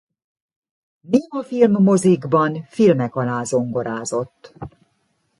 Némafilm mozikban filmek alá zongorázott.